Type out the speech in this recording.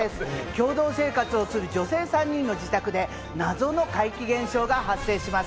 共同生活をする女性３人の自宅で謎の怪奇現象が発生します。